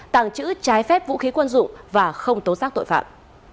tàng trữ trái phép vũ khí quân dụng và không tố xác tội phạm